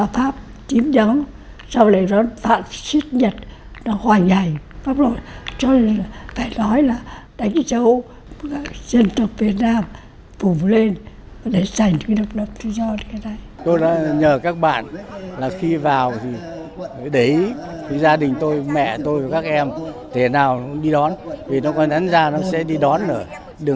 phải nói là đánh dấu